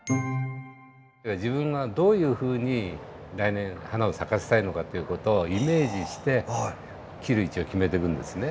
自分がどういうふうに来年花を咲かせたいのかっていう事をイメージして切る位置を決めていくんですね。